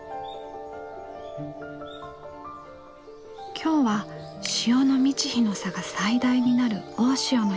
今日は潮の満ち干の差が最大になる大潮の日。